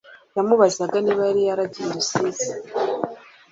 Yamubazaga niba yari yaragiye i rusizi